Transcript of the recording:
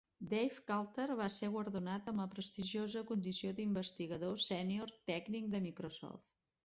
Dave Cutler va ser guardonat amb la prestigiosa condició d'investigador sènior tècnic de Microsoft.